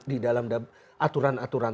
di dalam aturan aturan